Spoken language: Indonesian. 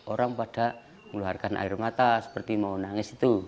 orang pada mengeluarkan air mata seperti mau nangis itu